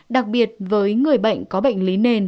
đặc biệt với người bệnh có bệnh lý nền